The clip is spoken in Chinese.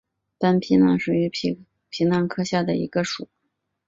斑皮蠹属是皮蠹科下的一个属。